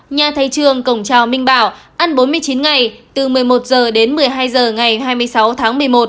nhà thầy trường cổng trào minh bảo ăn bốn mươi chín ngày từ một mươi một h đến một mươi hai h ngày hai mươi sáu tháng một mươi một